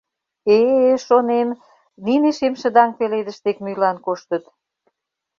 Э-э, шонем, нине шемшыдаҥ пеледыш дек мӱйлан коштыт.